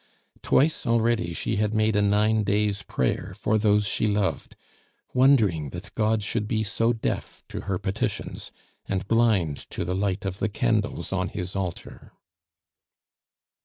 Twice already she had made a nine days' prayer for those she loved, wondering that God should be deaf to her petitions, and blind to the light of the candles on His altar.